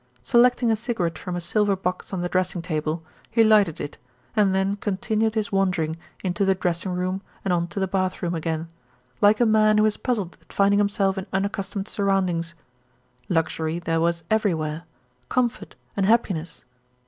Selecting a cigarette from a silver box on the dressing table, he lighted it, and then continued his wandering, into the dressing room and on to the bath room again, like a man who is puzzled at finding himself in unaccustomed surroundings. Luxury there was everywhere, comfort and happiness.